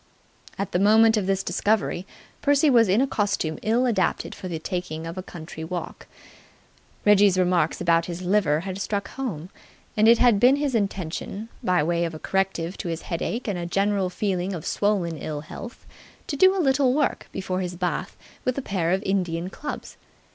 At the moment of this discovery, Percy was in a costume ill adapted for the taking of country walks. Reggie's remarks about his liver had struck home, and it had been his intention, by way of a corrective to his headache and a general feeling of swollen ill health, to do a little work before his bath with a pair of Indian clubs.